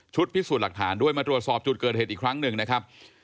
พิสูจน์หลักฐานด้วยมาตรวจสอบจุดเกิดเหตุอีกครั้งหนึ่งนะครับ